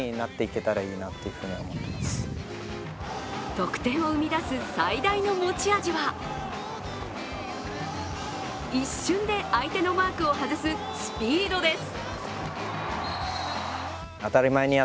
得点を生み出す最大の持ち味は一瞬で相手のマークを外すスピードです。